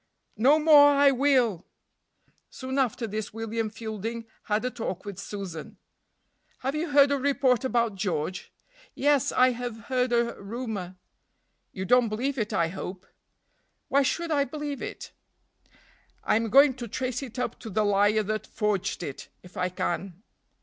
"No more I will." Soon after this William Fielding had a talk with Susan. "Have you heard a report about George?" "Yes! I have heard a rumor." "You don't believe it, I hope." "Why should I believe it?" "I'm going to trace it up to the liar that forged it, if I can."